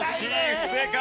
不正解。